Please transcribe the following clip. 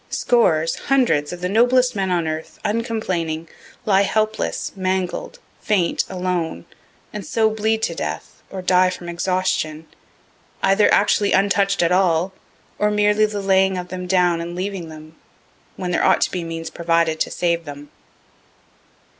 Scores, hundreds of the noblest men on earth, uncomplaining, lie helpless, mangled, faint, alone, and so bleed to death, or die from exhaustion, either actually untouch'd at all, or merely the laying of them down and leaving them, when there ought to be means provided to save them.